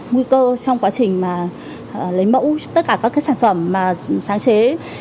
nguy cơ trong quá trình mà lấy mẫu cho tất cả các cái sản phẩm mà sáng chế